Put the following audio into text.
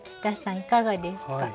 いかがですか？